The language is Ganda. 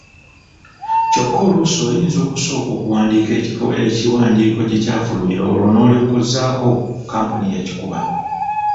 Kyokka oluusi oyinza okusooka okuwandiika ekifo ekiwandiiko gye kyafulumira olwo n’olyoka ozzaako kampuni eyakikuba.